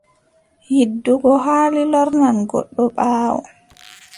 Yiddugo haali lornan goɗɗo ɓaawo.